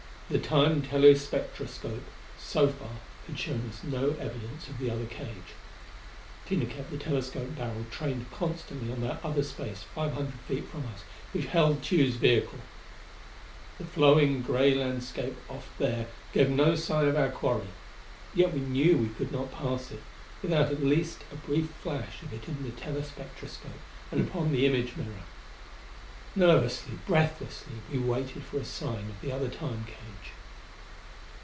The Time telespectroscope so far had shown us no evidence of the other cage. Tina kept the telescope barrel trained constantly on that other space five hundred feet from us which held Tugh's vehicle. The flowing gray landscape off there gave no sign of our quarry; yet we knew we could not pass it, without at least a brief flash of it in the telespectroscope and upon the image mirror. Nervously, breathlessly we waited for a sign of the other Time cage.